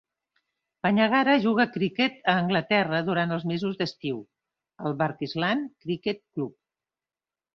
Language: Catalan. Panyangara juga a criquet a Anglaterra durant els mesos d'estiu, al Barkisland Cricket Club.